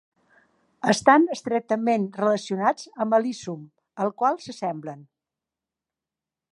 Estan estretament relacionats amb "Alyssum", al qual s'assemblen.